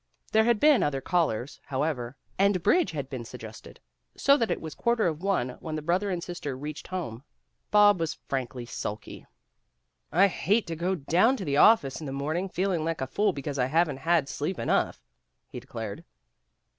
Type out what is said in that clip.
There had been other callers, however, and bridge had been suggested, so that it was quarter of one when the brother and sister reached home. Bob was frankly sulky. "I hate to go down to the office in the morning feeling like a fool because I haven't had sleep enough," he declared.